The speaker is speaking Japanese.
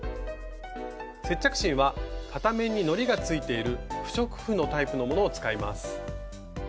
接着芯は片面にのりがついている不織布のタイプのものを使います。